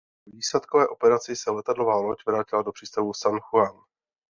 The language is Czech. Po výsadkové operaci se letadlová loď vrátila do přístavu San Juan.